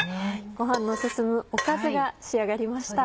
ご飯の進むおかずが仕上がりました。